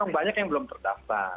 banyak yang belum terdaftar